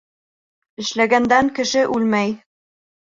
Эшләгәндән кеше үлмәй.